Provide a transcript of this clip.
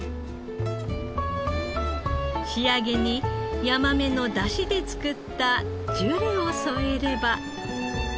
仕上げにヤマメの出汁で作ったジュレを添えれば。